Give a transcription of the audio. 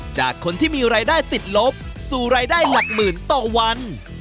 จากคนที่มีรายได้ติดลบสู่รายได้หลักหมื่นต่อวัน